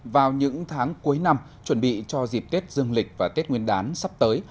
vào những tháng cuối năm chuẩn bị cho dịp tết dương lịch và tết nguyên đán sắp tới